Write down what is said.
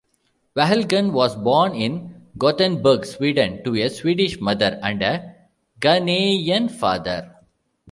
Wahlgren was born in Gothenburg, Sweden, to a Swedish mother and a Ghanaian father.